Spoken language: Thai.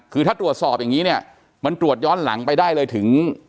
คือถ้าตรวจสอบอย่างนี้เนี่ยมันตรวจย้อนหลังไปได้เลยถึง